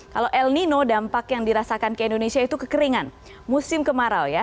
kalau el nino dampak yang dirasakan ke indonesia itu kekeringan musim kemarau ya